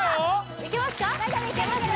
いけますね？